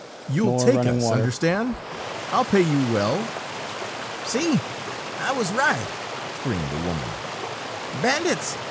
"You'll take us, understand? I'll pay you well!" "See, I was right!" screamed the woman. "Bandits!